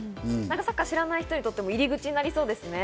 サッカー知らない人にとっても、入り口になりそうですね。